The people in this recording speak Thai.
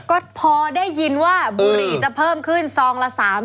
ก็พอได้ยินว่าบุหรี่จะเพิ่มขึ้นซองละ๓๐๐